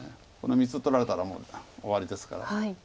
この３つ取られたらもう終わりですから。